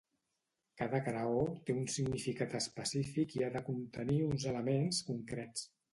Cada graó té un significat específic i ha de contenir uns elements concrets.